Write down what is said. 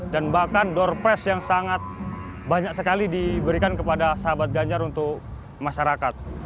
dan bahkan door press yang sangat banyak sekali diberikan kepada sahabat ganjar untuk masyarakat